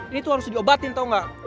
ini tuh harus diobatin tau gak